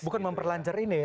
bukan memperlanjar ini ya